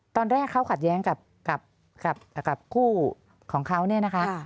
ตอนแรกเขาขัดแย้งกับคู่ของเขาเนี่ยนะคะ